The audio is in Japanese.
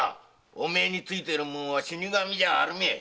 おめえに憑いてるもんは死神じゃああるめえ。